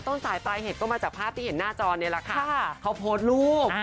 ต้นสายปลายเหตุก็มาจากภาพที่เห็นหน้าจอเนี่ยแหละค่ะเขาโพสต์รูป